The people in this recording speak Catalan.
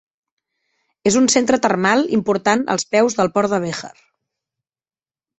És un centre termal important als peus del Port de Béjar.